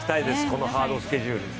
このハードスケジュール。